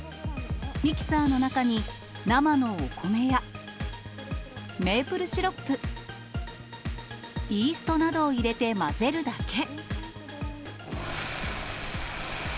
ミキサーの中に、生のお米や、メープルシロップ、イーストなどを入れて混ぜるだけ。